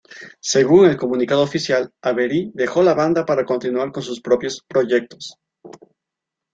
Según el comunicado oficial, Avery dejó la banda para continuar con sus propios proyectos.